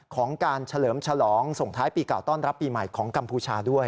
ของการเฉลิมฉลองส่งท้ายปีเก่าต้อนรับปีใหม่ของกัมพูชาด้วย